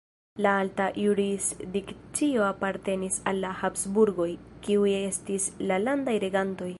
La alta jurisdikcio apartenis al la Habsburgoj, kiuj estis la landaj regantoj.